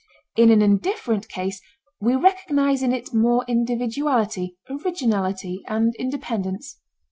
In an indifferent case we recognize in it more individuality, originality, and independence.